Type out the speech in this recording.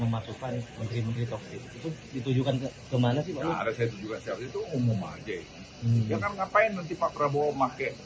memasukkan menteri menteri toksik itu ditujukan ke mana sih